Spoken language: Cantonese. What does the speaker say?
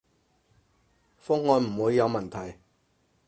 方案唔會有問題